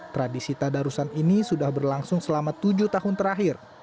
tradisi tadarusan ini sudah berlangsung selama tujuh tahun terakhir